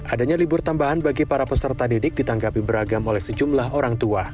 adanya libur tambahan bagi para peserta didik ditanggapi beragam oleh sejumlah orang tua